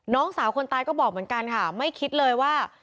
น้องสาวคนตายก็บอกเหมือนกันค่ะไม่คิดเลยว่า